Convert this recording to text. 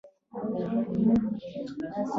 د سوداګرۍ بدیلې لارې خپلې کړئ